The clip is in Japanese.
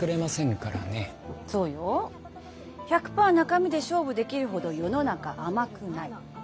そうよ１００％中身で勝負できるほど世の中甘くない。